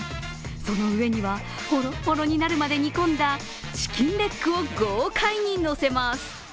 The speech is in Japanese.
その上には、ホロホロになるまで煮込んだチキンレッグを豪快にのせます。